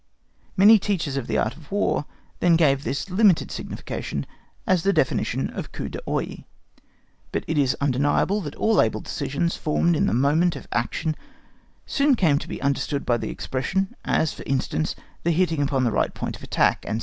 Many teachers of the Art of War then gave this limited signification as the definition of coup d'œil. But it is undeniable that all able decisions formed in the moment of action soon came to be understood by the expression, as, for instance, the hitting upon the right point of attack, &c.